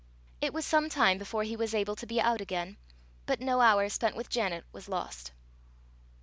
It was some time before he was able to be out again, but no hour spent with Janet was lost.